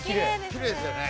きれいですよね。